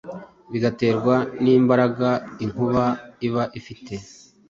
bigaterwa n’imbaraga inkuba iba ifite.